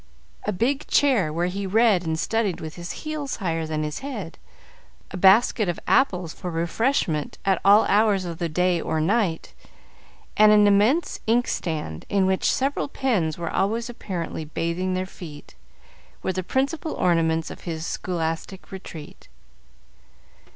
A big chair, where he read and studied with his heels higher than his head, a basket of apples for refreshment at all hours of the day or night, and an immense inkstand, in which several pens were always apparently bathing their feet, were the principal ornaments of his scholastic retreat.